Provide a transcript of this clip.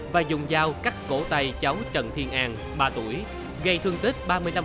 và dùng dao cắt cổ tay cháu trần thiên an ba tuổi gây thương tích ba mươi năm